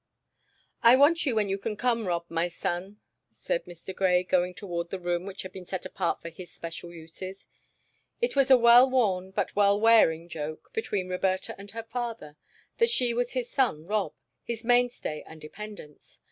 "I want you when you can come, Rob, my son," said Mr. Grey, going toward the room which had been set apart for his special uses. It was a well worn, but well wearing, joke between Roberta and her father that she was his son Rob, his mainstay and dependence.